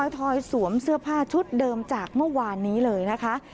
ถอยสวมเสื้อผ้าชุดเดิมจากเมื่อวานนี้เลยนะคะ